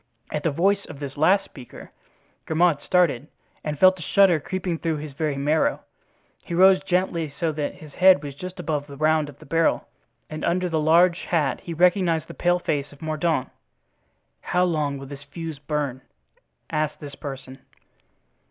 At the voice of this last speaker, Grimaud started and felt a shudder creeping through his very marrow. He rose gently, so that his head was just above the round of the barrel, and under the large hat he recognized the pale face of Mordaunt. "How long will this fuse burn?" asked this person.